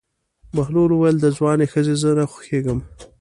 بهلول وویل: د ځوانې ښځې زه نه خوښېږم.